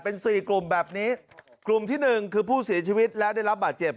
เป็นสี่กลุ่มแบบนี้กลุ่มที่หนึ่งคือผู้เสียชีวิตและได้รับบาดเจ็บ